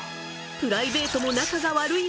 プライベートも仲が悪い